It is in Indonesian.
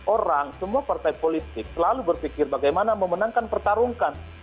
orang semua partai politik selalu berpikir bagaimana memenangkan pertarungan